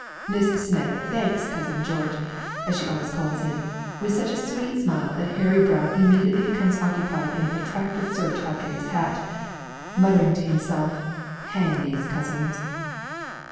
Miss Smith thanks cousin George, as she always calls him, with such a sweet smile that Harry Brown immediately becomes occupied in a protracted search after his hat, muttering to himself "hang these cousins."